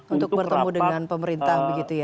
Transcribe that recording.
untuk bertemu dengan pemerintah